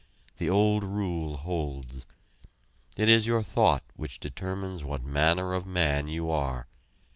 The old rule holds. It is your thought which determines what manner of man you are.